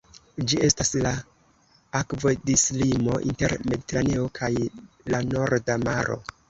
Ĝi estas la akvodislimo inter Mediteraneo kaj la Norda Maro.